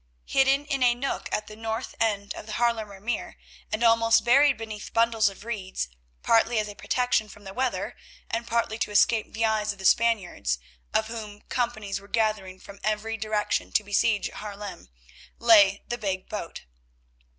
Hidden in a nook at the north end of the Haarlemer Meer and almost buried beneath bundles of reeds, partly as a protection from the weather and partly to escape the eyes of Spaniards, of whom companies were gathering from every direction to besiege Haarlem, lay the big boat.